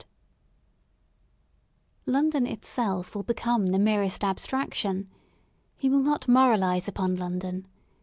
THE SOUL OF LONDON III London itself will become the merest abstraction. He will not moralise upon London.